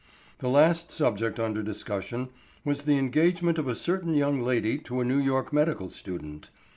The last subject under discussion was the engagement of a certain young lady to a New York medical student.